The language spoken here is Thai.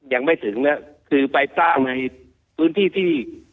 ยังไม่ถึงนะคือไปสร้างในพื้นที่ที่